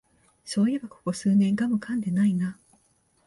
そういえばここ数年ガムかんでないな